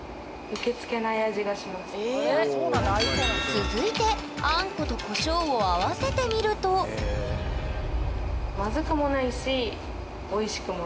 続いてあんことコショウを合わせてみるとやっぱむずいんだ。